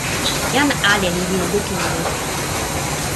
jan ale li wile lukin e ni.